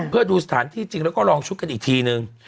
เพื่อดูสถานที่จริงแล้วก็ลองชุดกันอีกทีนึง